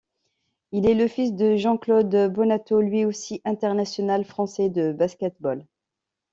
Il est le fils de Jean-Claude Bonato lui aussi international français de basket-ball.